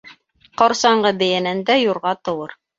Ҡорсаңғы бейәнән дә юрға тыуыр.